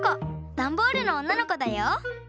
ダンボールのおんなのこだよ。